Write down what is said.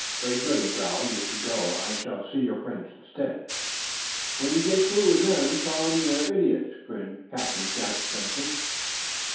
"Very good," he growled. "You can go. I shall see your friends, instead." "When you get through with 'em you'll think they're idiots," grinned Captain Jack Benson.